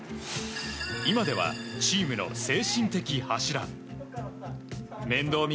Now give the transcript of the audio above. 今ではチームの精神的柱に。